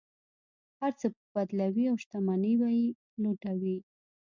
هر څه به بدلوي او شتمنۍ به یې لوټوي.